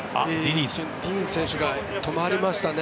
ディニズ選手が止まりましたね。